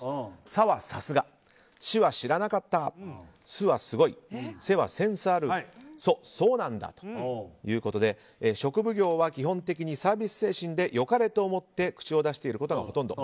「さ」はさすが「し」は知らなかった「す」はすごい「せ」はセンスある「そ」、そうなんだということで食奉行は基本的にサービス精神で良かれと思って口を出していることがほとんど。